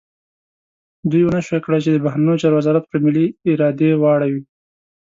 دوی ونه شو کړای چې د بهرنیو چارو وزارت پر ملي ارادې واړوي.